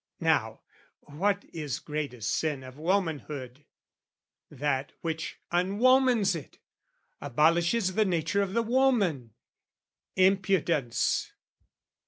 Now, what is greatest sin of womanhood? That which unwomans it, abolishes The nature of the woman, impudence.